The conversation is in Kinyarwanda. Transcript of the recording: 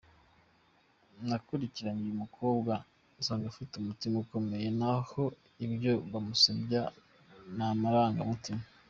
nakurikiranye uyu mukobwa nsanga afise umutima ukomeye naho ibyo kumusebya namaranga mutima .